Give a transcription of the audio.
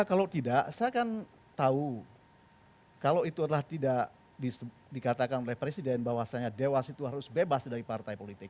kalau tidak saya kan tahu kalau itu adalah tidak dikatakan oleh presiden bahwasannya dewas itu harus bebas dari partai politik